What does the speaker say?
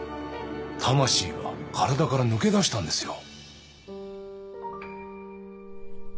魂が体から抜け出したんですよ